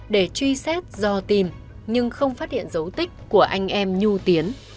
để truy xét do tìm nhưng không phát hiện dấu tích của anh em nhu tiến